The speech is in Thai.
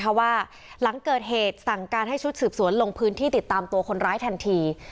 เพราะว่าหลังเกิดเหตุสั่งการให้ชุดสืบสวนลงพื้นที่ติดตามตัวคนร้ายทันที